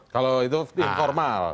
kalau itu informal